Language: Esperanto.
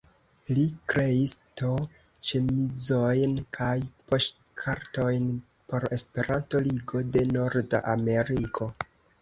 Li kreis T-ĉemizojn kaj poŝtkartojn por Esperanto-Ligo de Norda Ameriko.